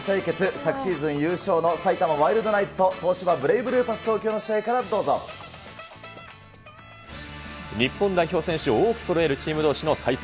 昨シーズン優勝の埼玉ワイルドナイツと東芝ブレイブルーパスの試日本代表選手を多くそろえるチームどうしの対戦。